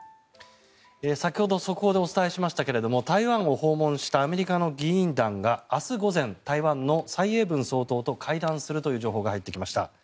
先ほど速報でお伝えしましたけれども台湾を訪問したアメリカの議員団が明日午前、台湾の蔡英文総統と会談するという情報が入ってきました。